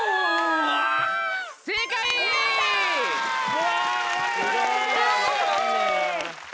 うわ。